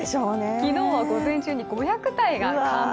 昨日は午前中に５００体が完売。